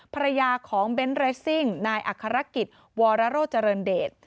ภรรยาของเบนท์เรสซิ่งนายอัครกิจวรโรเจริญเดช